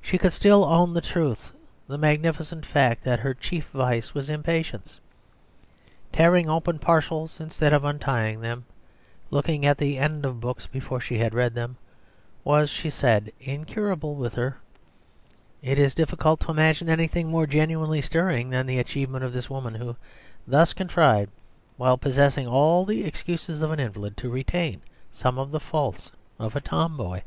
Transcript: She could still own with truth the magnificent fact that her chief vice was impatience, "tearing open parcels instead of untying them;" looking at the end of books before she had read them was, she said, incurable with her. It is difficult to imagine anything more genuinely stirring than the achievement of this woman, who thus contrived, while possessing all the excuses of an invalid, to retain some of the faults of a tomboy.